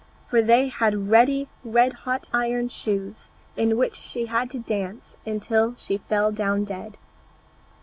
For they had ready red hot iron shoes, in which she had to dance until she fell down dead.